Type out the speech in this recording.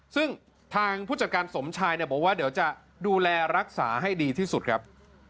ซึ่งทางผู้จัดการสมชายเนี่ยบอกว่าเดี๋ยวจะดูแลรักษาให้ดีที่สุดครับ